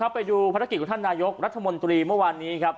ไปดูภารกิจของท่านนายกรัฐมนตรีเมื่อวานนี้ครับ